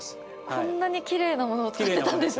こんなにきれいなものを使ってたんですね。